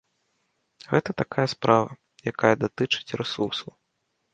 Гэта такая справа, якая датычыць рэсурсаў.